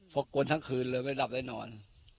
แต่เกือบคือคืนครับไม่ได้หลับนอน